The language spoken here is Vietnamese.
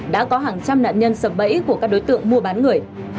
đã có hàng trăm nạn nhân sập bẫy của các đối tượng mua bán người